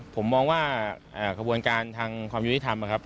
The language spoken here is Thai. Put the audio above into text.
ผมมองว่าขบวนการทางความยุทธรรมครับ